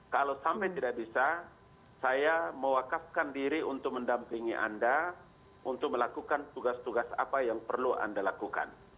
kalau sampai tidak bisa saya mewakafkan diri untuk mendampingi anda untuk melakukan tugas tugas apa yang perlu anda lakukan